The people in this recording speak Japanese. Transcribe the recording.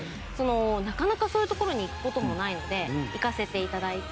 なかなかそういう所に行く事もないので行かせて頂いて。